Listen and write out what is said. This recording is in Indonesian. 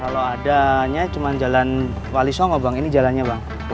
kalau adanya cuma jalan wali songo bang ini jalannya bang